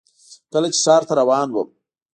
کله چې ښار ته روان وم .